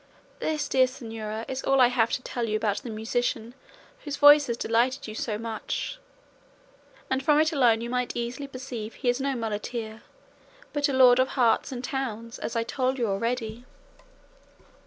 This, dear señora, is all I have to tell you about the musician whose voice has delighted you so much; and from it alone you might easily perceive he is no muleteer, but a lord of hearts and towns, as I told you already."